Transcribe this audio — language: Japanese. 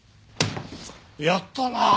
やったな！